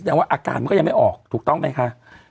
แต่ว่าอาการมันก็ยังไม่ออกถูกต้องไหมคะ